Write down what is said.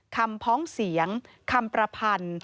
พ้องเสียงคำประพันธ์